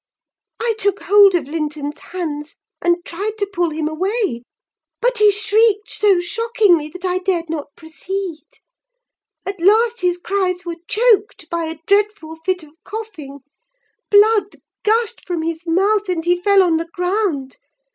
"I took hold of Linton's hands, and tried to pull him away; but he shrieked so shockingly that I dared not proceed. At last his cries were choked by a dreadful fit of coughing; blood gushed from his mouth, and he fell on the ground.